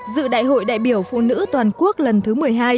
dự đại hội đại biểu phụ nữ toàn quốc lần thứ một mươi hai